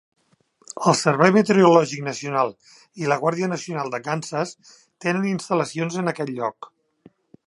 El Servei Meteorològic Nacional i la Guàrdia Nacional de Kansas tenen instal·lacions en aquest lloc.